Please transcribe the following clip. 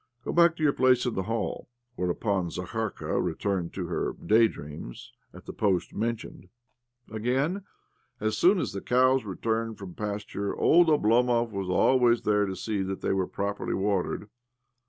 Go back to your place in the hall." Whereupon Zakharka returned to her day dreams at the post mentioned. Again, as soon as the cows returned from pasture, old Oblomov was always there to see that they were properly watered.